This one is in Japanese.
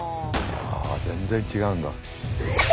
あ全然違うんだ。